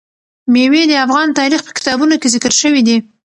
مېوې د افغان تاریخ په کتابونو کې ذکر شوی دي.